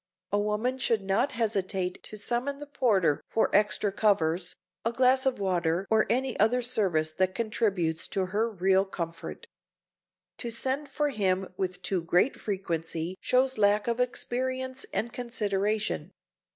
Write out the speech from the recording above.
A woman should not hesitate to summon the porter for extra covers, a glass of water or any other service that contributes to her real comfort. To send for him with too great frequency shows lack of experience and consideration.